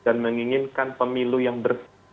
dan menginginkan pemilu yang bersih